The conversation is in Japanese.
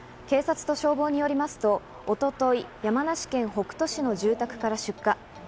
警察と消防によりますと一昨日、山梨県北杜市の住宅から出火。